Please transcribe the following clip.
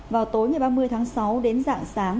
vào tối ba mươi tháng sáu đến dạng sàng